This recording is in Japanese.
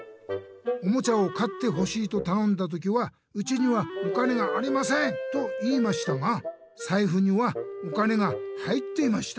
おもちゃを買ってほしいとたのんだ時は『うちにはお金がありません！』と言いましたがさいふにはお金が入っていました。